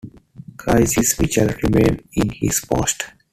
Chrysis Michael remained in his post.